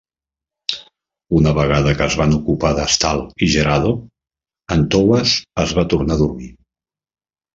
Una vegada que es van ocupar d'Astal i Jerado, Antowas es va tornar a dormir.